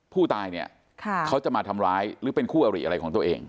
ผู้ตายเนี่ยเขาจะมาทำร้ายหรือเป็นคู่อริอะไรของตัวเอง